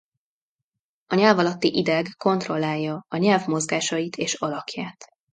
A nyelv alatti ideg kontrollálja a nyelv mozgásait és alakját.